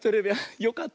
よかった。